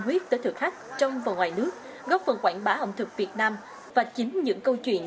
huyết tới thực khách trong và ngoài nước góp phần quảng bá ẩm thực việt nam và chính những câu chuyện